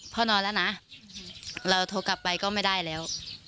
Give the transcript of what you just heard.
นอนแล้วนะเราโทรกลับไปก็ไม่ได้แล้ว